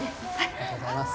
ありがとうございます。